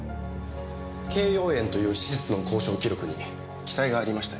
敬葉園という施設の交渉記録に記載がありました。